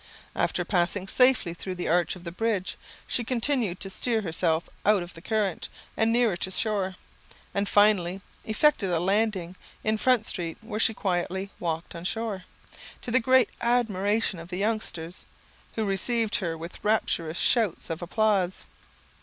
After passing safely through the arch of the bridge, she continued to steer herself out of the current, and nearer to the shore, and finally effected a landing in Front street, where she quietly walked on shore, to the great admiration of the youngsters, who received her with rapturous shouts of applause.